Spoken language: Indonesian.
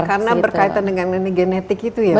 karena berkaitan dengan genetik itu ya mungkin